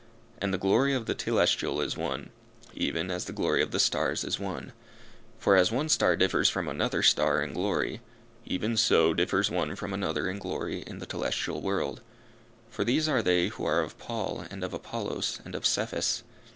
And the glory of the telestial is one, even as the glory of the stars is one, for as one star differs from another star in glory, even so differs one from another in glory in the telestial world; for these are they who are of Paul, and of Apollos, and of Cephas.